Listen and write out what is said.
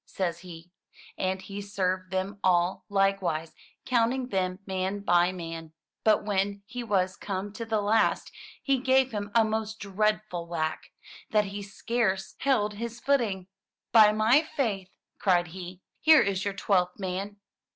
says he, and he served them all likewise, counting them man by man. But when he was come to the last, he gave him a most dreadful whack, that he scarce held his footing. *'By my faith!" cried he. *'Here is your twelfth man!'